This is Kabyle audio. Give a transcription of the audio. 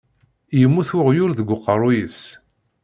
Yemmut weɣyul deg uqeṛṛuy-is.